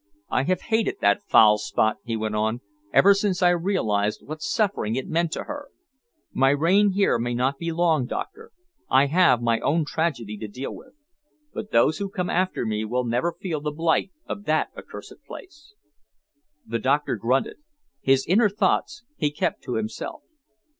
I have hated that foul spot," he went on, "ever since I realised what suffering it meant to her. My reign here may not be long, Doctor I have my own tragedy to deal with but those who come after me will never feel the blight of that accursed place." The doctor grunted. His inner thoughts he kept to himself.